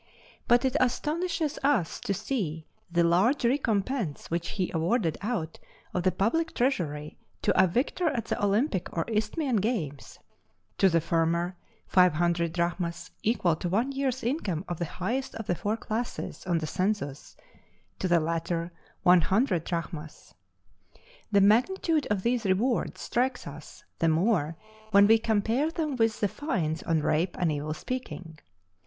But it astonishes us to see the large recompense which he awarded out of the public treasury to a victor at the Olympic or Isthmian games: to the former, five hundred drachmas, equal to one year's income of the highest of the four classes on the census; to the latter one hundred drachmas. The magnitude of these rewards strikes us the more when we compare them with the fines on rape and evil speaking.